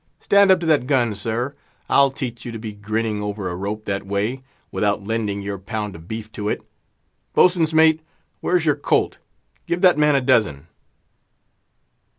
Stand up to that gun, sir; I'll teach you to be grinning over a rope that way, without lending your pound of beef to it. Boatswain's mate, where's your colt? Give that man a dozen."